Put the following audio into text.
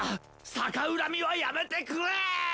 「逆恨み」はやめてくれェーッ！！